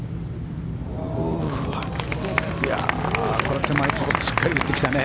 これは狭いところしっかり打ってきたね。